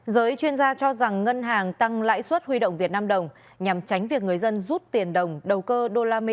giới chuyên gia cho rằng ngân hàng tăng lãi suất huy động vnđ nhằm tránh việc người dân rút tiền đồng đầu cơ usd